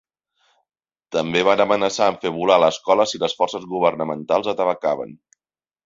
També van amenaçar amb fer volar l'escola si les forces governamentals atacaven.